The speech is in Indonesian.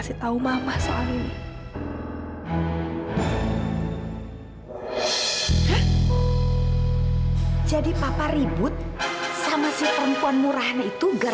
sampai jumpa di video selanjutnya